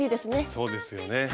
そうですよね。